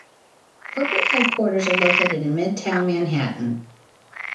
Corporate headquarters are located in Midtown Manhattan.